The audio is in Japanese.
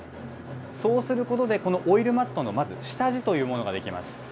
そうすることで、このオイルマットのまず下地というものが出来ます。